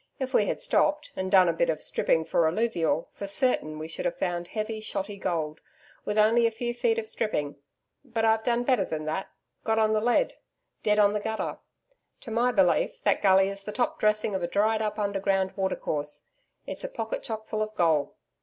If we had stopped, and done a bit of stripping for alluvial, for certain, we should have found heavy, shotty gold, with only a few feet of stripping. But I've done better than that got on the lead dead on the gutter. To my belief, that gully is the top dressing of a dried up underground watercourse. It's a pocket chock full of gold.